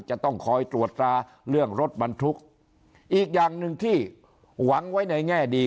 จะต้องคอยตรวจตราเรื่องรถบรรทุกอีกอย่างหนึ่งที่หวังไว้ในแง่ดี